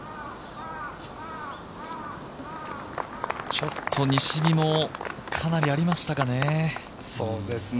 ちょっと西日もかなりありましたかね